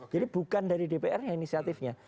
jadi bukan dari dpr yang inisiatifnya